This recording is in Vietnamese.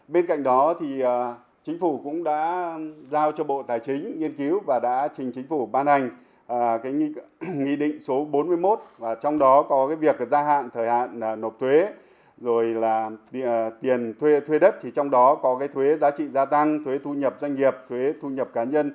bên cạnh đó thì chính phủ cũng đã giao cho bộ tài chính nghiên cứu và đã trình chính phủ ban hành cái nghị định số bốn mươi một và trong đó có cái việc gia hạn thời hạn nộp thuế rồi là tiền thuê đất thì trong đó có cái thuế giá trị gia tăng thuế thu nhập doanh nghiệp thuế thu nhập cá nhân